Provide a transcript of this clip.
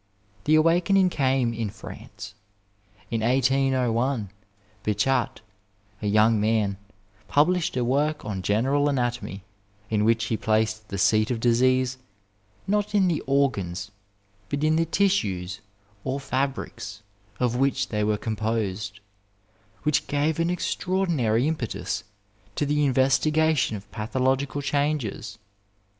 The awakening came in France. In 1801 Bichat, a young man, published a work on general anatomy, in which he placed the seat of disease, not in the organs, but in the tissues or fabrics of which they were composed, which gave an extraordinary impetus to the investigation of pathological changes.